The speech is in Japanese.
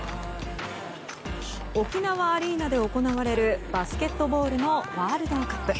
沖縄アリーナで行われるバスケットボールのワールドカップ。